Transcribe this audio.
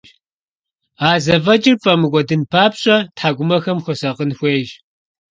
А зэфӀэкӀыр пфӀэмыкӀуэдын папщӀэ, тхьэкӀумэхэм хуэсакъын хуейщ.